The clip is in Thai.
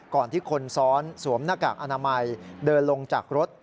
ก่อนที่คนซ้อนสวมหน้ากากอนามัยเดินลงจากรถ